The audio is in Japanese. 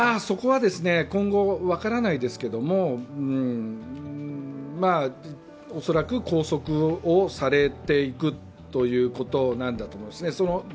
そこは分からないですけれども、恐らく拘束をされていくということなんだと思いますね。